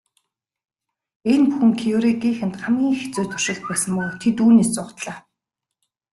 Энэ бүхэн Кюрегийнхэнд хамгийн хэцүү туршилт байсан бөгөөд тэд үүнээс зугтлаа.